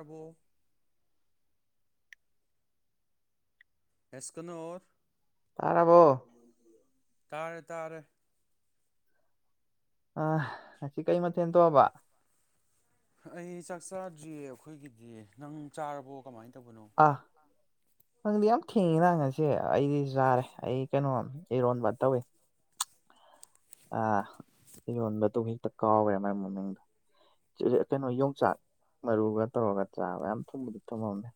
ꯑꯕꯣ ꯑꯦꯁ ꯀꯅꯣꯔ ꯇꯥꯔꯥꯕꯣ ꯇꯥꯔꯦ ꯇꯥꯔꯦ ꯑ ꯉꯁꯤ ꯀꯩ ꯃꯊꯦꯜ ꯇꯧꯔꯕ ꯑꯩ ꯆꯥꯛ ꯆꯥꯗ꯭ꯔꯤꯌꯦ ꯑꯩꯈꯣꯏꯒꯤꯗꯤ ꯅꯪ ꯆꯥꯔꯕꯣ ꯀꯃꯥꯏ ꯇꯧꯕꯅꯣ ꯑꯥ ꯅꯪꯗꯤ ꯌꯥꯝ ꯊꯦꯡꯉꯤꯅ ꯉꯁꯤ ꯑꯩꯗꯤ ꯆꯥꯔꯦ ꯑꯩ ꯀꯩꯅꯣꯝ ꯏꯔꯣꯟꯕ ꯇꯧꯋꯤ ꯑ ꯏꯔꯣꯟꯕꯗꯨ ꯍꯦꯛꯇ ꯀꯥꯎꯋꯦꯕ ꯃꯥꯒꯤ ꯃꯃꯤꯡꯗꯣ ꯀꯩꯅꯣ ꯌꯣꯡꯆꯥꯛ ꯃꯔꯨꯒ ꯇꯧꯔꯒ ꯆꯥꯕ ꯌꯥꯝ ꯊꯨꯝꯕꯗꯤ ꯊꯨꯝꯃꯝꯃꯦ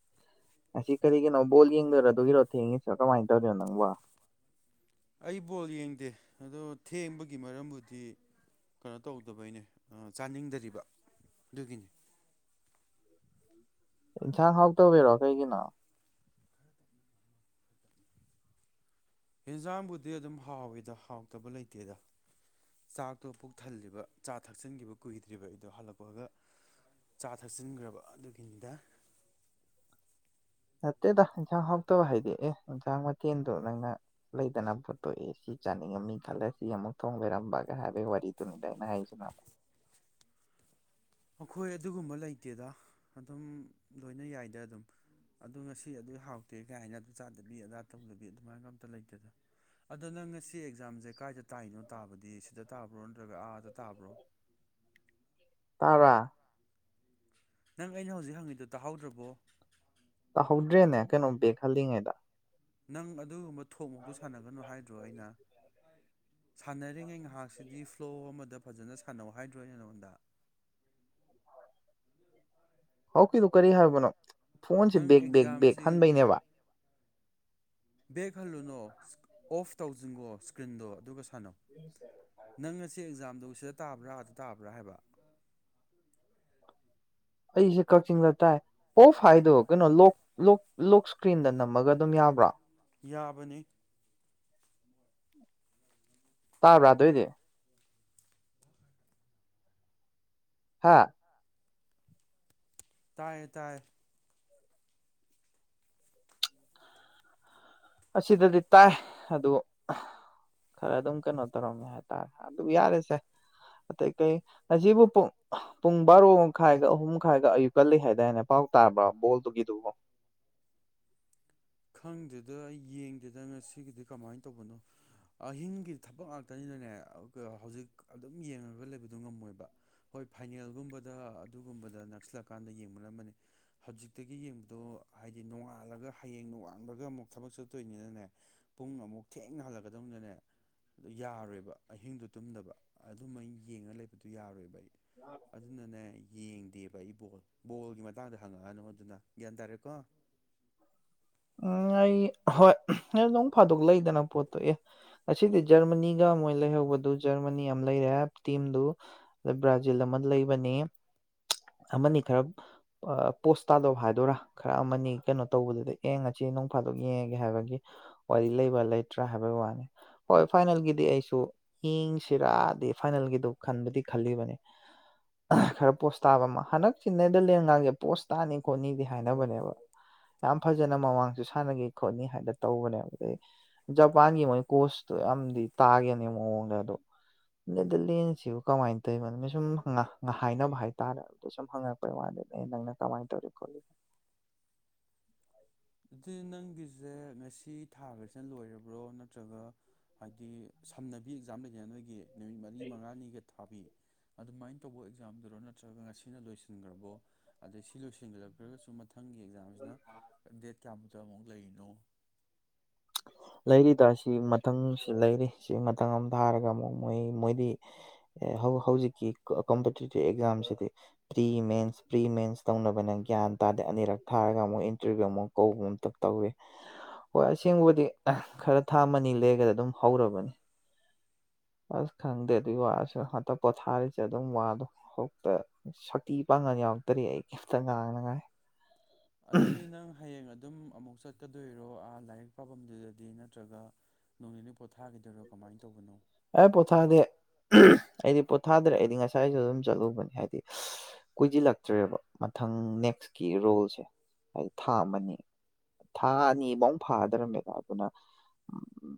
ꯑꯁꯤ ꯀꯔꯤꯒꯤꯅꯣ ꯕꯣꯜ ꯌꯦꯡꯗꯣꯏꯔꯣ ꯑꯗꯨꯒꯤꯔꯣ ꯊꯦꯡꯉꯤꯁꯣ ꯀꯃꯥꯏꯅ ꯇꯧꯔꯤꯅꯣ ꯅꯪꯕꯨ ꯑꯩ ꯕꯣꯜ ꯌꯦꯡꯗꯦ ꯑꯗꯣ ꯊꯦꯡꯕꯒꯤ ꯃꯔꯝꯕꯨꯗꯤ ꯀꯩꯅꯣ ꯇꯧꯗꯕꯩꯅꯦ ꯆꯥꯅꯤꯡꯗꯔꯤꯕ ꯑꯗꯨꯒꯤꯅꯤ ꯏꯟꯁꯥꯡ ꯍꯥꯎꯇꯕꯩꯔꯣ ꯀꯩꯒꯤꯅꯣ ꯌꯦꯟꯖꯥꯡꯕꯨꯗꯤ ꯑꯗꯨꯝ ꯍꯥꯎꯋꯤꯗ ꯍꯥꯎꯇꯕ ꯂꯩꯇꯦꯗ ꯆꯥꯛꯇꯣ ꯄꯨꯛ ꯊꯜꯂꯤꯕ ꯆꯥ ꯊꯛꯆꯤꯟꯈꯤꯕ ꯀꯨꯏꯗ꯭ꯔꯤꯕ ꯑꯩꯗꯣ ꯍꯜꯂꯛꯄꯒ ꯆꯥ ꯊꯛꯆꯤꯟꯈ꯭ꯔꯕ ꯑꯗꯨꯒꯤꯅꯤꯗ ꯅꯠꯇꯦꯗ ꯏꯟꯁꯥꯡ ꯍꯥꯎꯇꯕ ꯍꯥꯏꯗꯤ ꯑꯦ ꯏꯟꯁꯥꯡ ꯃꯊꯦꯜꯗꯣ ꯅꯪꯅ ꯂꯩꯗꯅ ꯄꯣꯠꯇꯣ ꯑꯦ ꯁꯤ ꯆꯥꯅꯤꯡꯉꯝꯃꯤ ꯈꯜꯂ ꯁꯤ ꯑꯃꯨꯛ ꯊꯣꯡ ꯂꯩꯔꯝꯕꯒ ꯍꯥꯏꯕꯒꯤ ꯋꯥꯔꯤꯗꯨꯅꯤꯗ ꯑꯩꯅ ꯍꯥꯏꯁꯤꯅ ꯑꯃꯨꯛ ꯑꯩꯈꯣꯏ ꯑꯗꯨꯒꯨꯝꯕ ꯂꯩꯇꯦꯗ ꯑꯗꯨꯝ ꯂꯣꯏꯅ ꯌꯥꯏꯗ ꯑꯗꯨꯝ ꯑꯗꯣ ꯉꯁꯤ ꯑꯗꯨ ꯍꯥꯎꯇꯦ ꯀꯥꯏꯅ ꯆꯥꯗꯕꯤ ꯑꯗꯥ ꯇꯧꯗꯕꯤ ꯑꯗꯨꯃꯥꯏꯅ ꯑꯝꯇ ꯂꯩꯇꯦꯗ ꯑꯗꯣ ꯅꯪ ꯉꯁꯤ ꯑꯦꯛꯖꯥꯝꯁꯦ ꯀꯥꯏꯗ ꯇꯥꯏꯅꯣ ꯇꯥꯕꯗꯤ ꯁꯤꯗ ꯇꯥꯕ꯭ꯔꯣ ꯅꯠꯇ꯭ꯔꯒ ꯑꯥꯗ ꯇꯥꯕ꯭ꯔꯣ ꯇꯥꯕ꯭ꯔꯥ ꯅꯪ ꯑꯩꯅ ꯍꯧꯖꯤꯛ ꯍꯪꯉꯤꯗꯣ ꯇꯥꯍꯧꯗ꯭ꯔꯕꯣ ꯇꯥꯍꯧꯗ꯭ꯔꯦꯅꯦ ꯀꯩꯅꯣꯝ ꯕꯦꯛ ꯍꯜꯂꯤꯉꯩꯗ ꯅꯪ ꯑꯗꯨꯒꯨꯝꯕ ꯊꯣꯛꯃꯣꯛꯇꯨ ꯁꯥꯟꯅꯒꯅꯨ ꯍꯥꯏꯗ꯭ꯔꯣ ꯑꯩꯅ ꯁꯥꯟꯅꯔꯤꯉꯩ ꯉꯥꯏꯍꯥꯛꯁꯤꯗꯤ ꯐꯂꯣ ꯑꯃꯗ ꯐꯖꯅ ꯁꯥꯟꯅꯧ ꯍꯥꯏꯗ꯭ꯔꯣ ꯑꯩꯅ ꯅꯉꯣꯟꯗ ꯍꯧꯀꯤꯗꯨ ꯀꯔꯤ ꯍꯥꯏꯕꯅꯣ ꯐꯣꯟꯁꯦ ꯅꯪ ꯕꯦꯛ ꯕꯦꯛ ꯕꯦꯛ ꯑꯦꯛꯖꯥꯝꯁꯤ ꯍꯟꯅꯩꯅꯦꯕ ꯕꯦꯛ ꯍꯜꯂꯨꯅꯣ ꯑꯣꯐ ꯇꯧꯖꯤꯟꯒꯣ ꯏꯁꯀ꯭ꯔꯤꯟꯗꯣ ꯑꯗꯨꯒ ꯅꯪ ꯉꯁꯤ ꯑꯦꯛꯖꯥꯝ ꯑꯗꯨ ꯁꯤꯗ ꯇꯥꯕ꯭ꯔꯥ ꯑꯗꯥ ꯇꯥꯕ꯭ꯔꯥ ꯍꯥꯏꯕ ꯑꯩꯖꯦ ꯀꯛꯆꯤꯡꯗ ꯇꯥꯏ ꯑꯣꯐ ꯍꯥꯏꯗꯣ ꯀꯩꯅꯣ ꯂꯣꯛ ꯂꯣꯛ ꯂꯣꯛ ꯏꯁꯀ꯭ꯔꯤꯟꯗ ꯅꯝꯃꯒ ꯑꯗꯨꯝ ꯌꯥꯕ꯭ꯔꯥ ꯌꯥꯕꯅꯤ ꯇꯥꯕ꯭ꯔꯥ ꯑꯗꯨꯏꯗꯤ ꯍꯥꯥ ꯇꯥꯏꯌꯦ ꯇꯥꯏꯌꯦ ꯑꯁꯤꯗꯗꯤ ꯇꯥꯏ ꯑꯗꯨ ꯈꯔ ꯑꯗꯨꯝ ꯀꯩꯅꯣ ꯇꯧꯔꯝꯃꯦ ꯍꯥꯏꯇꯥꯔꯦ ꯑꯗꯨ ꯌꯥꯔꯁꯦ ꯑꯇꯩ ꯀꯩ ꯉꯁꯤꯕꯨ ꯄꯨꯡ ꯄꯨꯡ ꯕꯥꯔꯣ ꯃꯈꯥꯏꯒ ꯑꯍꯨꯝ ꯈꯥꯏꯒ ꯑꯌꯨꯛ ꯂꯩ ꯍꯥꯏꯗꯥꯏꯅꯦ ꯄꯥꯎ ꯇꯥꯕ꯭ꯔꯥ ꯕꯣꯜꯗꯨꯒꯤꯗꯨꯕꯨ ꯍꯪꯗꯦꯗ ꯑꯩ ꯌꯦꯡꯗꯦꯗ ꯉꯁꯤꯒꯤꯗꯤ ꯀꯃꯥꯏꯅ ꯇꯧꯕꯅꯣ ꯑꯍꯤꯡꯒꯤꯗꯤ ꯊꯕꯛ ꯉꯥꯛꯇꯅꯤꯅꯅꯦ ꯍꯧꯖꯤꯛ ꯑꯗꯨꯝ ꯌꯦꯡꯉꯒ ꯂꯩꯕꯗꯣ ꯉꯝꯃꯣꯏꯕ ꯍꯣꯏ ꯐꯥꯏꯅꯦꯜꯒꯨꯝꯕꯗ ꯑꯗꯨꯒꯨꯝꯕꯗ ꯅꯛꯁꯤꯜꯂꯛꯀꯥꯟꯗ ꯌꯦꯡꯕꯅ ꯑꯃꯅꯤ ꯍꯧꯖꯤꯛꯇꯒꯤ ꯌꯦꯡꯕꯗꯣ ꯍꯥꯏꯗꯤ ꯅꯣꯡꯉꯥꯜꯂꯒ ꯍꯌꯦꯡ ꯅꯣꯡꯉꯥ ꯍꯥꯟꯕꯒ ꯑꯃꯨꯛ ꯊꯕꯛ ꯆꯠꯇꯣꯏꯅꯤꯅꯅꯦ ꯄꯨꯡ ꯑꯃꯨꯛ ꯊꯦꯡꯅ ꯍꯜꯂꯛꯀꯗꯧꯅꯤꯅꯅꯦ ꯑꯗꯨ ꯌꯥꯔꯣꯏꯕ ꯑꯍꯤꯡꯗꯣ ꯇꯨꯝꯗꯕ ꯑꯗꯨꯝꯕ ꯌꯦꯡꯉꯒ ꯂꯩꯕꯗꯨ ꯌꯥꯔꯣꯏꯕ ꯑꯩ ꯑꯗꯨꯅꯅꯦ ꯌꯦꯡꯗꯦ ꯀꯩ ꯕꯣꯜ ꯕꯣꯜꯒꯤ ꯃꯇꯥꯡꯗ ꯍꯪꯉꯛꯑꯅꯨ ꯑꯗꯨꯅ ꯒ꯭ꯌꯥꯟ ꯇꯥꯔꯦꯀꯣ ꯑꯥ ꯑꯩ ꯍꯣꯏ ꯅꯣꯡ ꯐ ꯗꯨ ꯂꯩꯗꯅ ꯄꯣꯠꯇꯣ ꯑꯦ ꯑꯁꯤꯗꯤ ꯖꯔꯃꯅꯤꯒ ꯃꯣꯏ ꯂꯩꯍꯧꯕꯗꯨ ꯖꯔꯃꯅꯤ ꯑꯃ ꯂꯩꯔꯦ ꯇꯤꯝꯗꯨ ꯑꯗꯩ ꯕ꯭ꯔꯥꯖꯤꯜ ꯑꯃ ꯂꯩꯕꯅꯤ ꯑꯃꯅꯤ ꯈꯔ ꯄꯣꯁ ꯇꯥꯗꯕ ꯍꯥꯏꯗꯣꯏꯔꯥ ꯈꯔ ꯑꯃꯅꯤ ꯀꯩꯅꯣ ꯇꯧꯕꯗꯨꯗꯤ ꯑꯦ ꯉꯁꯤ ꯅꯣꯡ ꯐꯥꯗꯣꯛ ꯌꯦꯡꯉꯒꯦ ꯍꯥꯏꯕꯒꯤ ꯋꯥꯔꯤ ꯂꯩꯕ ꯂꯩꯇ꯭ꯔꯥ ꯍꯥꯏꯕꯒꯤ ꯋꯥꯅꯤ ꯍꯣꯏ ꯐꯥꯏꯅꯦꯜꯒꯤꯗꯨ ꯑꯩꯁꯨ ꯌꯦꯡꯁꯤꯔꯥꯗꯤ ꯐꯥꯏꯅꯦꯜꯒꯤꯗꯨ ꯈꯟꯕꯗꯤ ꯈꯜꯂꯤꯕꯅꯤ ꯈꯔ ꯄꯣꯁ ꯇꯥꯕ ꯑꯃ ꯍꯟꯗꯛꯁꯤ ꯅꯦꯗꯔꯂꯦꯟ ꯉꯥꯡꯒꯤ ꯄꯣꯁ ꯇꯥꯅꯤ ꯈꯣꯠꯅꯤꯗꯤ ꯍꯥꯏꯅꯕꯅꯦꯕ ꯌꯥꯝ ꯐꯖꯅ ꯃꯃꯥꯡꯁꯨ ꯁꯥꯟꯅꯈꯤ ꯈꯣꯠꯅꯤ ꯍꯥꯏꯅ ꯇꯧꯕꯅꯦꯕ ꯑꯗꯩ ꯖꯄꯥꯟꯒꯤ ꯃꯣꯏ ꯀꯣꯁꯇꯣ ꯌꯥꯝꯗꯤ ꯇꯥꯈꯤꯕꯅꯦ ꯃꯑꯣꯡꯗ ꯑꯗꯣ ꯅꯦꯗꯔꯂꯦꯟꯁꯤꯕꯨ ꯀꯃꯥꯏꯅ ꯇꯧꯏꯅꯣ ꯁꯨꯝ ꯍꯥꯏꯅꯕ ꯍꯥꯏ ꯇꯥꯔꯕꯗ ꯁꯨꯝ ꯍꯪꯉꯛꯄꯩ ꯋꯥꯅꯤꯅꯦ ꯅꯪꯅ ꯀꯃꯥꯏꯅ ꯇꯧꯔꯤ ꯈꯣꯂꯤ ꯑꯗꯨꯗꯤ ꯅꯪꯒꯤꯁꯦ ꯉꯁꯤ ꯊꯥꯔꯤꯁꯤꯅ ꯂꯣꯏꯔꯕ꯭ꯔꯣ ꯅꯠꯇ꯭ꯔꯒ ꯍꯥꯏꯗꯤ ꯁꯝꯅꯕꯤ ꯑꯦꯛꯖꯥꯝ ꯂꯩꯗꯅ ꯅꯣꯏꯒꯤ ꯅꯨꯃꯤꯠ ꯃꯔꯤ ꯃꯉꯥꯅꯤꯒ ꯊꯥꯕꯤ ꯑꯗꯨꯃꯥꯏꯅ ꯇꯧꯕ ꯑꯦꯛꯖꯥꯝꯗꯨꯔꯣ ꯅꯠꯇ꯭ꯔꯒ ꯉꯁꯤꯅ ꯂꯣꯏꯁꯤ ꯏꯟꯈ꯭ꯔꯕꯣ ꯑꯗꯩ ꯁꯤ ꯂꯣꯏꯁꯤꯟꯒꯒ ꯐꯦꯂꯣꯁꯤꯞ [inaudible] [unintelligible] ꯑꯃꯨꯛ ꯂꯩꯔꯤꯅꯣ ꯂꯩꯔꯤꯗ ꯁꯤ ꯃꯊꯪꯁꯤ ꯂꯩꯔꯤ ꯁꯤ ꯃꯊꯪ ꯑꯃ ꯊꯥꯔꯒ ꯑꯃꯨꯛ ꯃꯣꯏ ꯃꯣꯏꯗꯤ ꯍꯧ ꯍꯧꯖꯤꯛꯀꯤ ꯀꯝꯄꯤꯇꯤꯇꯤꯚ ꯑꯦꯛꯖꯥꯝꯁꯤꯗꯤ ꯄ꯭ꯔꯤ ꯃꯦꯟꯁ ꯄ꯭ꯔꯤ ꯃꯦꯟꯁ ꯇꯧꯅꯕꯅ ꯒ꯭ꯌꯥꯟ ꯇꯥꯗꯦ ꯑꯅꯤꯔꯛ ꯊꯥꯔꯒ ꯑꯃꯨꯛ ꯏꯟꯇꯔꯚꯤꯌꯨ ꯑꯃꯨꯛ ꯀꯧꯕ ꯑꯃꯇ ꯇꯧꯏ ꯍꯣꯏ ꯑꯁꯦꯡꯕꯕꯨꯗꯤ ꯈꯔ ꯊꯥ ꯃꯅꯤꯡ ꯂꯩꯒꯗ ꯑꯗꯨꯝ ꯍꯧꯔꯕꯅꯤ ꯑꯁ ꯈꯪꯗꯦ ꯑꯗꯨꯒꯤ ꯋꯥꯁꯨ ꯍꯟꯗꯛ ꯄꯣꯊꯥꯔꯤꯁꯦ ꯑꯗꯨꯝ ꯋꯥꯗꯣ ꯍꯧꯇ ꯁꯛꯇꯤ ꯄꯥꯡꯒꯜ ꯌꯥꯎꯗ꯭ꯔꯦ ꯑꯩ ꯀꯩꯝꯇ ꯉꯥꯡꯅꯤꯡꯉꯥꯏ ꯑꯗꯨꯗꯤ ꯅꯪ ꯍꯌꯦꯡ ꯑꯗꯨꯝ ꯑꯃꯨꯛ ꯆꯠꯀꯗꯣꯏꯔꯣ ꯑꯥ ꯂꯥꯏꯔꯤꯛ ꯄꯥꯕꯝꯗꯨꯗꯗꯤ ꯅꯠꯇ꯭ꯔꯒ ꯅꯣꯡꯅꯤꯅꯤ ꯑꯦ ꯄꯣꯊꯥꯗ ꯑꯩꯗꯤ ꯄꯣꯊꯥꯗꯔ꯭ꯔꯦ ꯑꯩꯗꯤ ꯉꯁꯥꯏꯁꯨ ꯑꯗꯨꯝ ꯆꯠꯂꯨꯕꯅꯦ ꯍꯥꯏꯗꯤ ꯀꯨꯁꯤꯜꯂꯛꯇ꯭ꯔꯦꯕ ꯃꯊꯪ ꯅꯦꯛꯁꯀꯤ ꯔꯣꯜꯁꯦ ꯍꯥꯏꯗꯤ ꯊꯥ ꯑꯃꯅꯤ ꯊꯥ ꯑꯅꯤꯐꯧ ꯐꯥꯗ꯭ꯔꯝꯃꯦꯗ ꯑꯗꯨꯅ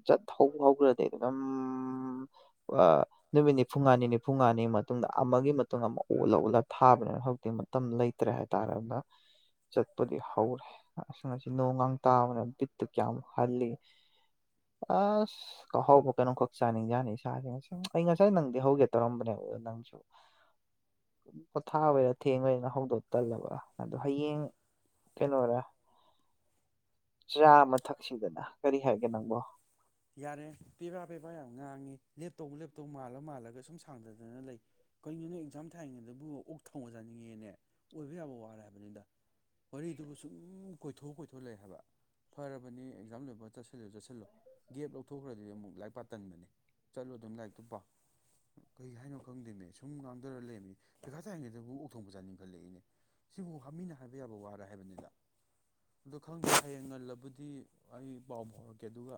ꯆꯠꯍ ꯍꯧꯈ꯭ꯔ ꯑꯩ ꯑꯗꯨꯝ ꯑꯥ ꯅꯨꯃꯤꯠ ꯅꯤꯐꯨꯉꯥꯅꯤ ꯅꯤꯐꯨꯉꯥꯅꯤꯒꯤ ꯃꯇꯨꯡꯗ ꯑꯃꯒꯤ ꯃꯇꯨꯡ ꯑꯃ ꯑꯣꯜꯂ ꯑꯣꯜꯂꯒ ꯊꯥꯕꯅꯦ ꯍꯧꯖꯤꯛꯇꯤ ꯃꯇꯝ ꯂꯩꯇ꯭ꯔꯦ ꯍꯥꯏꯇꯥꯔꯦ ꯑꯗꯨꯅ ꯆꯠꯄꯗꯤ ꯍꯧꯔꯦ ꯑꯁ ꯉꯁꯤ ꯅꯣꯡꯒ ꯇꯥꯕꯅ ꯕꯤꯠꯇꯨ ꯀꯌꯥꯃꯨꯛ ꯍꯥꯠꯂꯤ ꯑꯁ ꯑꯥꯍꯥꯎꯕ ꯀꯩꯅꯣꯝ ꯈꯛ ꯆꯥꯅꯤꯡꯖꯥꯅꯤ ꯏꯁꯥꯁꯦ ꯉꯁ ꯑꯩ ꯉꯁꯥꯏ ꯅꯪꯗꯤ ꯍꯧꯒꯦ ꯇꯧꯔꯝꯕꯅꯦꯕꯗꯣ ꯅꯪꯁꯨ ꯄꯣꯊꯥ ꯍꯧꯏꯔ ꯊꯦꯡꯉꯅꯤꯅ ꯍꯧꯗꯣꯛ ꯇꯜꯂꯕ ꯑꯗꯣ ꯍꯌꯦꯡ ꯀꯩꯅꯣꯔ ꯆꯥ ꯑꯃ ꯊꯛꯁꯤꯗꯅ ꯀꯔꯤ ꯍꯥꯏꯒꯦ ꯅꯪꯕꯣ ꯌꯥꯔꯦ ꯄꯦꯕꯥ ꯄꯦꯕꯥ ꯌꯥꯝ ꯉꯥꯡꯉꯤ ꯂꯦꯞꯇꯧ ꯂꯦꯞꯇꯧ ꯃꯥꯜꯂ ꯃꯥꯜꯂꯒ ꯁꯨꯝ ꯁꯥꯡꯗꯗꯅ ꯂꯩ ꯀꯔꯤꯅꯣꯅꯦ ꯑꯦꯛꯖꯥꯝ ꯊꯥꯔꯤꯉꯩꯗꯕꯨ ꯑꯣꯛ ꯊꯣꯡꯕ ꯆꯥꯅꯤꯡꯉꯦꯅꯦ ꯑꯣꯏꯕ ꯌꯥꯕ ꯋꯥꯔ ꯍꯥꯏꯕꯅꯤꯗ ꯋꯥꯔꯤꯗꯨꯕꯨ ꯁꯨꯝ ꯀꯣꯏꯊꯣꯛ ꯀꯣꯏꯊꯣꯛ ꯂꯩ ꯍꯥꯏꯕ ꯐꯔꯕꯅꯤ ꯑꯦꯛꯖꯥꯝ ꯂꯣꯏꯕꯒ ꯆꯥꯁꯤꯜꯂꯨ ꯆꯥꯁꯤꯜꯂꯣ ꯒꯦꯞ ꯂꯧꯊꯣꯛꯈ꯭ꯔꯗꯤ ꯑꯃꯨꯛ ꯂꯥꯏꯔꯤꯛ ꯄꯥ ꯇꯟꯕꯅꯤ ꯆꯠꯂꯣ ꯑꯗꯨꯝ ꯂꯥꯏꯔꯤꯛꯇꯨ ꯄꯥꯎ ꯀꯩ ꯍꯥꯏꯅꯣ ꯈꯪꯗꯦꯃꯦ ꯁꯨꯝ ꯉꯥꯡꯗꯔ ꯂꯩꯃꯤ ꯄꯩꯈꯥ ꯇꯥꯔꯤꯉꯩꯗꯕꯨ ꯑꯣꯛꯊꯣꯡꯕ ꯆꯥ ꯅꯤꯡꯤꯡꯈꯠꯂꯛꯏꯅꯦ ꯁꯤꯕꯨ ꯍꯥꯞ ꯃꯤꯅ ꯍꯥꯏꯕ ꯌꯥꯕ ꯋꯥꯔ ꯍꯥꯏꯕꯅꯤꯗ ꯑꯗꯣ ꯈꯪꯗꯦ ꯍꯌꯦꯡ ꯉꯜꯂꯕꯨꯗꯤ ꯑꯩ ꯄꯥꯎ ꯐꯥꯎꯔꯛꯀꯦ ꯑꯗꯨꯒ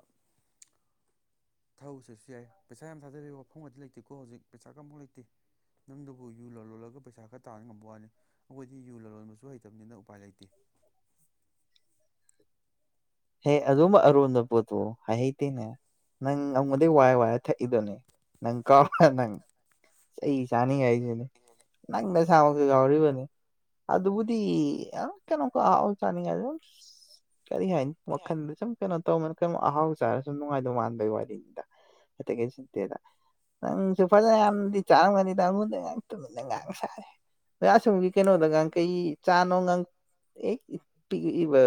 ꯊꯧꯖ ꯌꯥꯏ ꯄꯩꯁꯥ ꯌꯥꯝ ꯊꯗꯕꯩ ꯋꯤꯐꯝꯒꯗꯤ ꯂꯩꯇꯦꯀꯣ ꯍꯧꯖꯤꯛ ꯄꯩꯁꯥꯒ ꯑꯝꯕꯧ ꯂꯩꯇꯦ ꯇꯦ ꯅꯪꯗꯕꯨ ꯌꯨ ꯂꯂꯣꯜꯂꯒ ꯄꯩꯁꯥ ꯈꯔ ꯇꯥꯟ ꯉꯝꯕ ꯋꯥꯅꯤ ꯑꯩꯈꯣꯏꯗꯤ ꯌꯨ ꯂꯂꯣꯟꯕꯁꯨ ꯍꯩꯇꯕꯅꯤꯅ ꯎꯄꯥꯏ ꯂꯩꯇꯦ ꯍꯦ ꯑꯗꯨꯝꯕ ꯑꯔꯣꯟꯕ ꯄꯣꯠꯇꯣ ꯍꯥꯏ ꯍꯩꯇꯦꯅꯦ ꯅꯪ ꯑꯩꯉꯣꯟꯗꯩ ꯋꯥꯏ ꯋꯥꯏꯔ ꯊꯛꯏꯗꯅꯦ ꯅꯪ ꯀꯥꯎꯕ ꯅꯪ ꯆꯩ ꯆꯥꯅꯤꯡꯉꯥꯏꯁꯤꯅꯦ ꯅꯪ ꯅꯁꯥꯃꯛꯁꯨ ꯌꯥꯎꯔꯤꯕꯅꯦ ꯑꯗꯨꯕꯨꯗꯤ [unintelligible] ꯀꯔꯤ ꯍꯥꯏꯅꯤ ꯋꯥꯈꯟ ꯗ ꯁꯨꯝ ꯀ ꯇꯧꯕꯅ ꯀꯩꯅꯣ ꯑꯍꯥꯎ ꯆꯥꯔꯁꯨ ꯅꯨꯡꯉꯥꯏꯗꯧ ꯃꯥꯟꯕꯒꯤ ꯋꯥꯔꯤꯅꯤꯗ ꯑꯇꯩ ꯀꯩꯁꯨ ꯅꯠꯇꯦꯗ ꯅꯪꯁꯨ ꯐꯅꯌꯥꯝꯗꯤ ꯆꯥꯔꯝꯒꯅꯤꯗ ꯑꯩꯉꯣꯟꯗ ꯇꯨꯃꯤꯟꯅ ꯉꯥꯡ ꯁꯥꯔꯤ ꯑꯥ ꯑꯁꯣꯝꯒꯤ ꯀꯩꯅꯣꯗꯒ ꯀꯩ ꯆꯥꯅꯣ ꯅꯪ ꯑꯦ ꯄꯤꯕ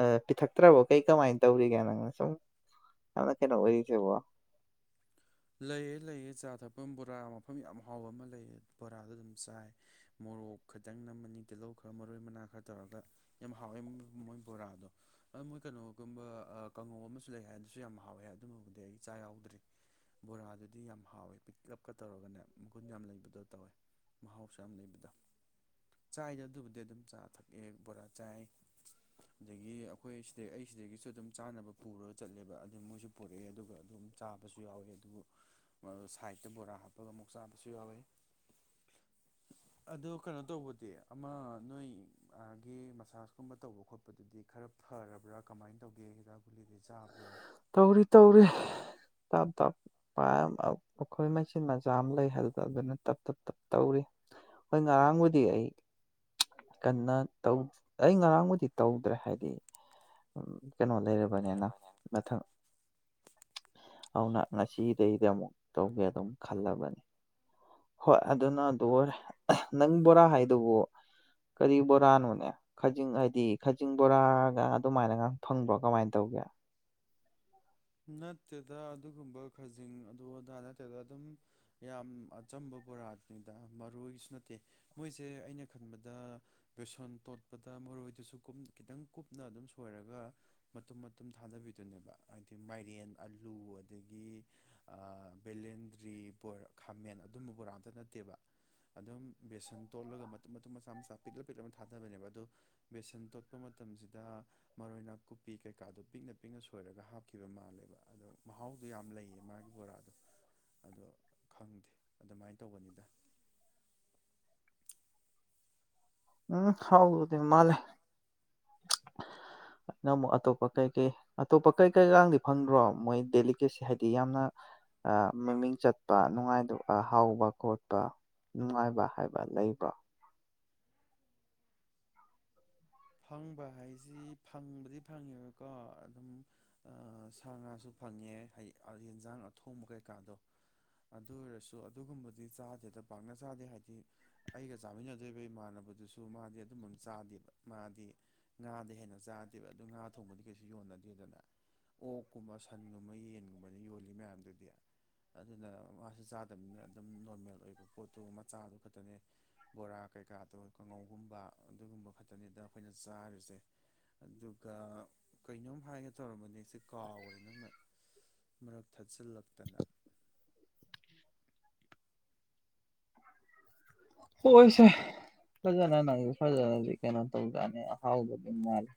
ꯑꯥ ꯄꯤꯊꯛꯇ꯭ꯔꯕꯣ ꯀꯩ ꯀꯃꯥꯏꯅ ꯇꯧꯔꯤꯒꯦ ꯅꯪꯅ ꯁꯨꯝ ꯌꯥꯝꯅ ꯀꯩꯅꯣ ꯑꯣꯏꯔꯤꯁꯤꯕꯣ ꯂꯩꯌꯦ ꯂꯩꯌꯦ ꯆꯥ ꯊꯛꯐꯝ ꯕꯣꯔꯥ ꯃꯐꯝ ꯌꯥꯝ ꯍꯥꯎꯕ ꯑꯃ ꯂꯩꯌꯦ ꯕꯣꯔꯥꯗꯣ ꯑꯗꯨꯝ ꯆꯥꯏ ꯃꯣꯔꯣꯛ ꯈꯤꯇꯪ ꯅꯝꯃꯅꯤ ꯇꯤꯜꯍꯧ ꯈꯔ ꯃꯔꯣꯏ ꯃꯅꯥ ꯈꯔ ꯇꯧꯔꯒ ꯌꯥꯝ ꯍꯥꯎꯋꯦ ꯃꯣꯏ ꯕꯣꯔꯥꯗꯣ ꯑꯗꯨ ꯃꯣꯏ ꯀꯩꯅꯣꯒꯨꯝꯕ ꯑꯥ ꯀꯥꯡꯉꯧ ꯑꯃꯁꯨ ꯂꯩ ꯍꯥꯏ ꯑꯗꯨꯁꯨ ꯌꯥꯝ ꯍꯥꯎꯋꯦ ꯑꯗꯨꯃꯕꯨꯗꯤ ꯑꯩ ꯆꯥ ꯌꯥꯎꯗ꯭ꯔꯤ ꯕꯣꯔꯥꯗꯨꯗꯤ ꯌꯥꯝ ꯍꯥꯎꯋꯦ ꯄꯤꯛꯂꯞꯀ ꯇꯧꯔꯒꯅꯦ ꯃꯒꯨꯟ ꯌꯥꯝ ꯂꯩꯕꯗꯣ ꯇꯧꯋꯦ ꯃꯍꯥꯎꯁꯨ ꯌꯥꯝ ꯂꯩꯕꯗꯣ ꯆꯥꯏꯗ ꯑꯗꯨꯕꯨꯗꯤ ꯑꯗꯨꯝ ꯆꯥ ꯊꯛꯑꯦ ꯕꯣꯔꯥ ꯆꯥꯏ ꯑꯗꯒꯤ ꯑꯩꯈꯣꯏ ꯁꯤꯗꯩ ꯑꯩ ꯁꯤꯗꯒꯤꯁꯨ ꯑꯗꯨꯝ ꯆꯥꯅꯕ ꯄꯨꯔꯒ ꯆꯠꯂꯦꯕ ꯑꯗꯨ ꯃꯣꯏꯁꯨ ꯄꯨꯔꯛꯑꯦ ꯑꯗꯨꯒ ꯑꯗꯨꯝ ꯆꯥꯕꯁꯨ ꯌꯥꯎꯋꯦ ꯑꯗꯨ ꯁꯥꯏꯠꯇ ꯕꯣꯔꯥ ꯍꯥꯞꯄꯒ ꯑꯃꯨꯛ ꯆꯥꯕꯁꯨ ꯌꯥꯎꯋꯦ ꯑꯗꯣ ꯀꯩꯅꯣ ꯇꯧꯕꯗꯤ ꯑꯃ ꯅꯣꯏ ꯑꯥꯒꯤ ꯃꯁꯥꯥꯁꯀꯨꯝꯕ ꯇꯧꯕ ꯈꯣꯠꯄꯗꯨꯗꯤ ꯈꯔ ꯐꯔꯕ꯭ꯔ ꯀꯃꯥꯏ ꯇꯧꯒꯦ ꯍꯤꯗꯥꯛ ꯒꯨꯂꯤꯗꯤ ꯆꯥꯕ꯭ꯔꯣ ꯇꯧꯔꯤ ꯇꯧꯔꯤ ꯇꯞ ꯇꯞ ꯄꯥꯏꯔ ꯑꯩꯈꯣꯏ ꯃꯆꯤꯟ ꯃꯆꯥ ꯑꯃ ꯂꯩ ꯍꯥꯏꯗ ꯑꯗꯨꯅ ꯇꯞ ꯇꯞ ꯇꯞ ꯇꯧꯔꯤ ꯍꯣꯏ ꯉꯔꯥꯡꯕꯨꯗꯤ ꯑꯩ ꯀꯟꯅ ꯇꯧ ꯑꯩ ꯉꯔꯥꯡꯕꯨꯗꯤ ꯇꯧꯗ꯭ꯔꯦ ꯍꯥꯏꯗꯤ ꯑꯝ ꯀꯩꯅꯣ ꯂꯩꯔꯕꯅꯤꯅ ꯂꯩꯔꯕꯅꯦ ꯃꯊꯪ ꯑꯗꯨꯅ ꯉꯁꯤꯗꯒꯤꯗ ꯑꯃꯨꯛ ꯇꯧꯒꯦ ꯑꯗꯨꯝ ꯈꯜꯂꯕꯅꯤ ꯍꯣꯏ ꯑꯗꯨꯅ ꯑꯗꯨ ꯑꯣꯏꯔꯦ ꯅꯪ ꯕꯣꯔꯥ ꯍꯥꯏꯗꯨꯕꯨ ꯀꯔꯤ ꯕꯣꯔꯥꯅꯣꯅꯦ ꯈꯖꯤꯡ ꯍꯥꯏꯗꯤ ꯈꯖꯤꯡ ꯕꯣꯔꯥꯒ ꯑꯗꯨꯃꯥꯏꯅꯒ ꯐꯪꯕ꯭ꯔꯣ ꯀꯃꯥꯏꯅ ꯇꯧꯒꯦ [inaudible] ꯅꯠꯇꯦꯗ ꯑꯗꯨꯒꯨꯝꯕ ꯈꯖꯤꯡ ꯑꯗꯨ ꯑꯗꯥ ꯅꯠꯇꯦꯗ ꯑꯗꯨꯝ ꯌꯥꯝ ꯑꯆꯝꯕ ꯕꯣꯔꯥꯅꯤꯗ ꯃꯔꯣꯏꯁꯨ ꯅꯠꯇꯦ ꯃꯣꯏꯁꯦ ꯑꯩꯅ ꯈꯟꯕꯗ ꯕꯦꯁꯣꯟ ꯇꯣꯠꯄꯗ ꯃꯔꯣꯏꯗꯨꯁꯨ ꯈꯤꯇꯪ ꯀꯨꯞꯅ ꯑꯗꯨꯝ ꯁꯣꯏꯔꯒ ꯃꯇꯨꯝ ꯃꯇꯨꯝ ꯊꯥꯗꯕꯤꯗꯨꯅꯦꯕ ꯑ ꯃꯥꯏꯔꯦꯟ ꯑꯂꯨ ꯑꯗꯒꯤ ꯑꯥ ꯕꯦꯂꯦꯟꯗ꯭ꯔꯤ ꯕꯣ ꯈꯥꯃꯦꯟ ꯑꯗꯨꯝꯕ ꯕꯣꯔꯥ ꯑꯝꯇ ꯅꯠꯇꯦꯕ ꯑꯗꯨꯝ ꯕꯦꯁꯟ ꯇꯣꯠꯂꯒ ꯃꯇꯨꯝ ꯃꯇꯨꯝ ꯃꯆꯥ ꯃꯆꯥ ꯄꯤꯛꯂꯞ ꯄꯤꯛꯂꯞꯅ ꯊꯥꯗꯕꯅꯦꯕ ꯑꯗꯣ ꯕꯦꯁꯟ ꯇꯣꯠꯄ ꯃꯇꯝꯁꯤꯗ ꯃꯔꯣꯏ ꯅꯥꯀꯨꯞꯄꯤ ꯀꯩꯀꯥꯗꯣ ꯄꯤꯛꯅ ꯄꯤꯛꯅ ꯁꯣꯏꯔꯒ ꯍꯥꯞ ꯈꯤꯕ ꯃꯥꯜꯂꯦꯕ ꯑꯗꯣ ꯃꯍꯥꯎꯗꯣ ꯌꯥꯝ ꯂꯩꯌꯦ ꯃꯥꯒꯤ ꯕꯣꯔꯥꯗꯣ ꯑꯗꯣ ꯈꯪꯗꯦ ꯑꯗꯨꯃꯥꯏꯅ ꯇꯧꯕꯅꯤꯗ ꯎꯝ ꯍꯥꯎꯗꯣꯏꯗꯤ ꯃꯥꯜꯂꯦ ꯅꯪ ꯑꯃꯨꯛ ꯑꯇꯣꯞꯄ ꯀꯩꯀꯩ ꯑꯇꯣꯞꯄ ꯀꯩ ꯀꯩꯀꯗꯤ ꯐꯪꯗ꯭ꯔꯣ ꯃꯣꯏ ꯗꯦꯂꯤꯀꯦꯁꯤ ꯍꯥꯏꯗꯤ ꯌꯥꯝꯅ ꯑꯥ ꯃꯃꯤꯡ ꯆꯠꯄ ꯅꯨꯡꯉꯥꯏꯗꯧ ꯑꯥ ꯍꯥꯎꯕ ꯈꯣꯠꯄ ꯅꯨꯡꯉꯥꯏꯕ ꯍꯥꯏꯕ ꯂꯩꯕ꯭ꯔꯣ ꯐꯪꯕ ꯍꯥꯏꯁꯤ ꯐꯪꯕꯗꯤ ꯐꯪꯉꯦꯕꯀꯣ ꯑꯗꯨꯝ ꯑ ꯁꯥ ꯉꯥꯁꯨ ꯐꯪꯉꯦ ꯌꯦꯟꯁꯥꯡ ꯑꯊꯣꯡꯕ ꯀꯩꯀꯥꯗꯣ ꯑꯗꯨ ꯑꯣꯏꯔꯁꯨ ꯑꯗꯨꯒꯨꯝꯕꯗꯤ ꯆꯥꯗꯦꯗ ꯄꯥꯛꯅ ꯆꯥꯗꯦ ꯍꯥꯏꯗꯤ ꯑꯩꯒ ꯆꯥꯃꯤꯟꯅꯗꯣꯔꯤꯕ ꯏꯃꯥꯟꯅꯕꯗꯨꯁꯨ ꯃꯥꯗꯤ ꯑꯗꯨꯝꯕꯝ ꯆꯥꯗꯦꯕ ꯃꯥꯗꯤ ꯉꯥꯗꯩꯩ ꯍꯦꯟꯅ ꯆꯥꯗꯦꯕ ꯑꯗꯨ ꯉꯥ ꯊꯣꯡꯕꯗꯤ ꯀꯩꯁꯨ ꯌꯣꯟꯅꯗꯦꯗꯅ ꯑꯣꯛꯀꯨꯝꯕ ꯁꯟꯒꯨꯝꯕ ꯌꯦꯟꯒꯨꯝꯕꯅ ꯌꯣꯜꯂꯤ ꯃꯌꯥꯝꯗꯨꯗꯤ ꯑꯗꯨꯅ ꯃꯥꯁꯨ ꯆꯥꯗꯕꯅꯤꯅ ꯑꯗꯨꯝ ꯅꯣꯔꯃꯦꯜ ꯑꯣꯏꯕ ꯄꯣꯠꯇꯣ ꯃꯆꯥꯗꯨ ꯈꯛꯇꯅꯦ ꯕꯣꯔꯥ ꯀꯩꯀꯥꯗꯣ ꯀꯥꯡꯉꯧ [unintelligible] ꯑꯗꯨꯒꯨꯝꯕ ꯐꯠ ꯗꯨꯅꯤꯗ ꯑꯩꯈꯣꯏꯅ ꯆꯥꯔꯤꯁꯦ ꯑꯗꯨꯒ ꯀꯩꯅꯣꯝ ꯍꯥꯏꯒꯦ ꯇꯧꯔꯝꯕꯅꯤ ꯑꯩꯁꯦ ꯀꯥꯎꯒ꯭ꯔꯦ ꯅꯪꯅ ꯃꯔꯛ ꯊꯠ ꯆꯤꯜꯂꯛꯇꯅ ꯍꯣꯏꯁꯦ ꯐꯖꯅ ꯅꯪ ꯐꯖꯅꯗꯤ ꯀꯩꯅꯣ ꯇꯧꯇꯅꯤ ꯑꯍꯥꯎꯕꯗꯤ ꯃꯥꯂꯦ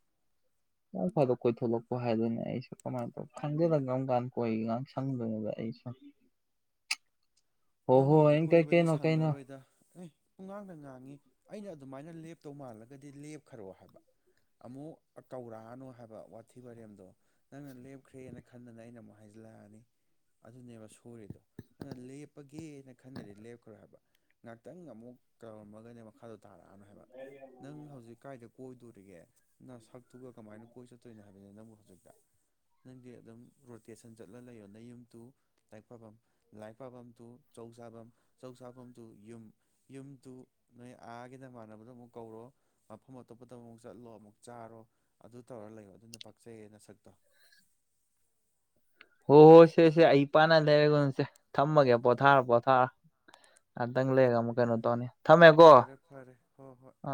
ꯅꯣꯡ ꯐꯗꯣꯛ ꯀꯣꯏꯊꯣꯛꯂꯛꯄ ꯍꯥꯏꯗꯨꯅꯦ ꯑꯩꯁꯨ ꯀꯃꯥꯏ ꯇꯧ ꯈꯪꯗꯦꯗ ꯀꯔꯝ ꯀꯥꯟꯗ ꯀꯣꯏꯒꯦ ꯉꯥꯛ ꯁꯪꯗꯣꯏꯗꯅ ꯑꯩ ꯅꯪꯕꯨꯗꯤ ꯀꯣꯏꯕꯗꯤ ꯁꯪꯉꯔꯣꯏꯗ ꯑꯦ ꯄꯨꯡꯉꯥꯡꯗ ꯉꯥꯡꯉꯤ ꯑꯩꯅ ꯑꯗꯨꯃꯥꯏꯅ ꯂꯦꯞꯇꯧ ꯃꯥꯜꯂꯒꯗꯤ ꯂꯦꯞꯈ꯭ꯔꯣ ꯍꯥꯏꯕ ꯑꯃꯨꯛ ꯀꯧꯔꯛꯑꯅꯣ ꯍꯥꯏꯕ ꯋꯥꯊꯤ ꯋꯥꯔꯦꯝꯗꯣ ꯅꯪꯅ ꯂꯦꯞꯈ꯭ꯔꯦꯅ ꯈꯟꯗꯅ ꯑꯩꯅ ꯑꯃꯨꯛ ꯍꯥꯏꯖꯤꯜꯂꯛꯑꯅꯤ ꯑꯗꯨꯅꯦꯕ ꯁꯣꯔꯤꯗꯣ ꯑꯗꯨꯅ ꯂꯦꯞ ꯄꯒꯦꯅ ꯈꯟꯒ꯭ꯔꯗꯤ ꯂꯦꯞꯈ꯭ꯔꯣ ꯍꯥꯏꯕ ꯉꯥꯛꯇꯪ ꯑꯃꯨꯛ ꯀꯧꯔꯝꯃꯒꯅꯦ ꯋꯥꯈꯜ ꯇꯥꯔꯛꯑꯅꯣ ꯍꯥꯏꯕ ꯅꯪ ꯍꯧꯖꯤꯛ ꯀꯥꯏꯗ ꯀꯣꯏꯗꯣꯔꯤꯒꯦ ꯅꯁꯛꯇꯨꯒ ꯀꯃꯥꯏꯅ ꯀꯣꯏ ꯆꯠꯇꯣꯏꯅꯣ ꯍꯥꯏꯕꯅꯤ ꯅꯪꯕꯨ ꯍꯧꯖꯤꯛꯇ ꯅꯪꯗꯤ ꯑꯗꯨꯝ ꯔꯣꯇꯦꯁꯟ ꯆꯠꯂꯒ ꯂꯩꯌꯨ ꯅꯌꯨꯝ ꯇꯨ ꯂꯥꯏꯔꯤꯛ ꯄꯥꯕꯝ ꯂꯥꯏꯔꯤꯛꯄꯥꯕꯝ ꯇꯨ ꯆꯧ ꯆꯥꯐꯝ ꯆꯧ ꯆꯥꯐꯝ ꯇꯨ ꯌꯨꯝ ꯌꯨꯝ ꯇꯨ ꯅꯣꯏ ꯑꯥꯒꯤ ꯅꯃꯥꯟꯅꯕꯗꯣ ꯑꯃꯨꯛ ꯀꯧꯔꯣ ꯃꯐꯝ ꯑꯇꯣꯞꯄꯗ ꯑꯃꯨꯛ ꯆꯠꯂꯣ ꯑꯃꯨꯛ ꯆꯥꯔꯣ ꯑꯗꯨ ꯇꯧꯔ ꯂꯩꯌꯣ ꯑꯗꯨꯅ ꯄꯛꯆꯩꯌꯦ ꯅꯁꯛ ꯍꯣꯏ ꯍꯣꯏ ꯁꯦꯁꯦ ꯑꯩ ꯏꯄꯥꯅ ꯂꯩꯔꯦꯒꯁꯦ ꯊꯝꯃꯒꯦ ꯄꯣꯊꯥꯔꯣ ꯄꯣꯊꯥꯔꯣ ꯉꯥꯛꯇꯪ ꯂꯩꯔꯒ ꯑꯃꯨꯛ ꯀꯩꯅꯣ ꯇꯧꯅꯤ ꯊꯝꯃꯦꯀꯣ ꯐꯔꯦ ꯐꯔꯦ ꯍꯣꯍꯣꯏ ꯑꯥ